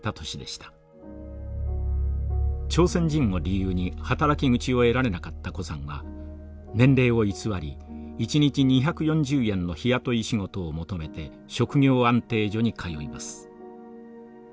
朝鮮人を理由に働き口を得られなかった高さんは年齢を偽り一日２４０円の日雇い仕事を求めて職業安定所に通います。